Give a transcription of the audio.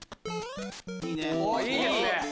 いいですね！